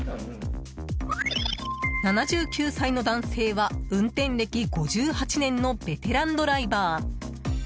７９歳の男性は、運転歴５８年のベテランドライバー。